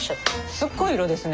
すっごい色ですね。